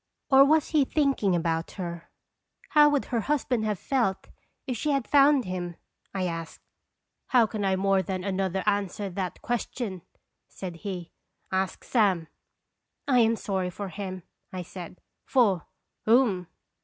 Or was he thinking about her? 0er0nfc QTar& tains." 265 "How would her husband have felt if she had found him?" I asked. " How can I more than another answer that question?" said he. " Ask Sam." " I am sorry for him," I said. " For whom?"